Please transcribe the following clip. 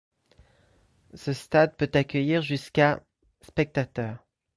Ce stade peut accueillir jusqu'à spectateurs.